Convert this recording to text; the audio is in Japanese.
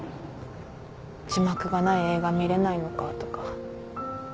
字幕がない映画見れないのかとか。